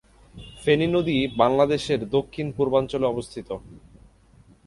ফেনী নদী বাংলাদেশের দক্ষিণ-পূর্বাঞ্চলে অবস্থিত।